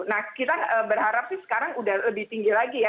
nah kita berharap sih sekarang udah lebih tinggi lagi ya